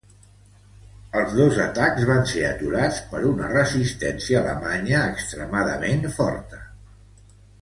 Els dos atacs van ser parats per una resistència alemanya extremadament forta.